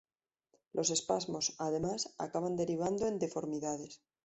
Los espasmos, además, acaban derivando en deformidades.